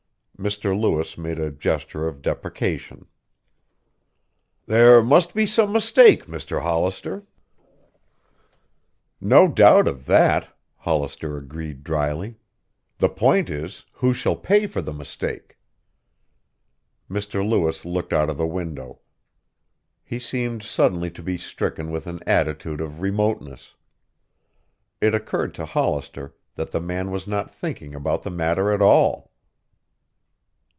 Mr. Lewis made a gesture of deprecation. "There must be some mistake, Mr. Hollister." "No doubt of that," Hollister agreed dryly. "The point is, who shall pay for the mistake?" Mr. Lewis looked out of the window. He seemed suddenly to be stricken with an attitude of remoteness. It occurred to Hollister that the man was not thinking about the matter at all.